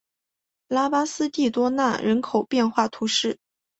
拉巴斯蒂多纳人口变化图示